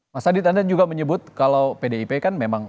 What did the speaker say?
mas adit anda juga menyebut kalau pdip kan memang